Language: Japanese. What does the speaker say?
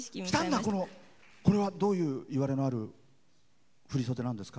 これはどういういわれのある振り袖なんですか？